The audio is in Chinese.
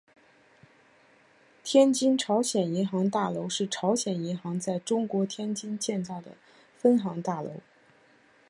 天津朝鲜银行大楼是朝鲜银行在中国天津建造的分行大楼。